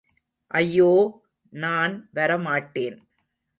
ஐயோ, நான் வரமாட்டேன்.